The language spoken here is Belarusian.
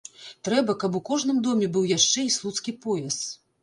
Трэба, каб у кожным доме быў яшчэ і слуцкі пояс.